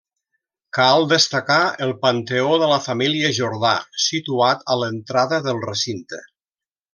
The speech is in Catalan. Cal destacar el panteó de la família Jordà, situat a l'entrada al recinte.